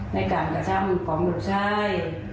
ในการกระทำของลูกชาย